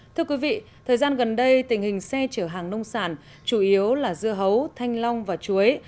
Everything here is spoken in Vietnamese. thưa quý vị thời gian gần đây tình hình xe chở hàng nông sản chủ yếu là dưa hấu thanh long và chuối